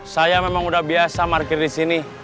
saya memang udah biasa parkir di sini